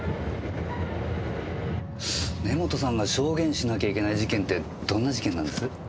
根元さんが証言しなきゃいけない事件ってどんな事件なんです？